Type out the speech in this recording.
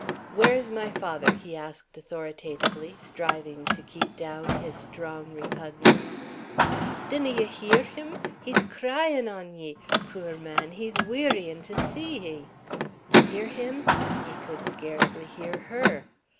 "Where is my father?" he asked, authoritatively, striving to keep down his strong repugnance. "Dinna ye hear him? He's crying on ye. Puir man, he's wearying to see ye." Hear him? He could scarcely hear her.